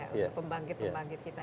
untuk pembangkit pembangkit kita